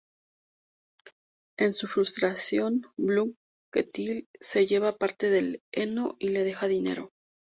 En su frustración, Blund-Ketill se lleva parte del heno y le deja dinero.